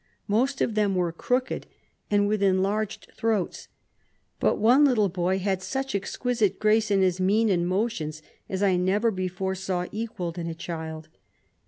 Most of them were crooked, and with enlarged throats ; but one little boy had such exquisite grace in his mien and mo tions, as I never before saw equalled in a child.